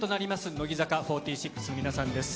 乃木坂４６の皆さんです。